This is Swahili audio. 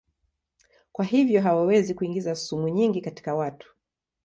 Kwa hivyo hawawezi kuingiza sumu nyingi katika watu.